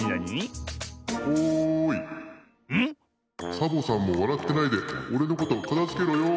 「サボさんもわらってないでおれのことかたづけろよ」。